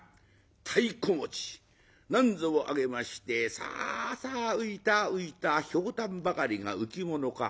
太鼓持ちなんぞをあげまして「さあさあ浮いた浮いたひょうたんばかりが浮き物か。